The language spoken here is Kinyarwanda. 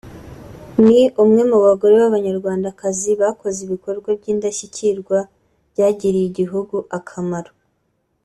ni umwe mu bagore b’abanyarwandakazi bakoze ibikorwa by’indashyikirwa byagiriye igihugu akamaro